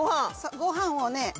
ご飯をね